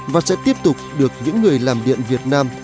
và sẽ tiếp tục được những người làm điện việt nam